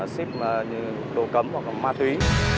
ship như đồ cấm hoặc ma túy